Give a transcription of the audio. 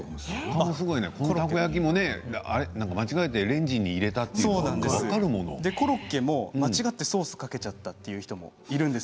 たこ焼きも間違えてレンジに入れたというのコロッケも間違えてソースかけちゃったという方もいます。